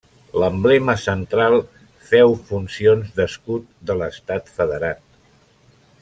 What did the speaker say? L'emblema central féu funcions d'escut de l'estat federat.